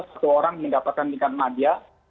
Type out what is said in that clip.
satu orang mendapatkan tingkat madia